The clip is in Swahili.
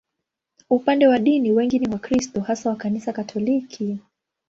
Upande wa dini, wengi ni Wakristo, hasa wa Kanisa Katoliki.